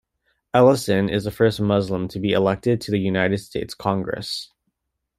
Ellison is the first Muslim to be elected to the United States Congress.